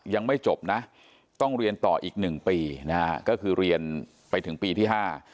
ยังไม่จบนะต้องเรียนต่ออีกหนึ่งปีนะฮะก็คือเรียนไปถึงปีที่ห้า